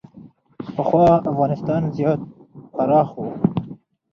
پخوا افغانستان زیات پراخ و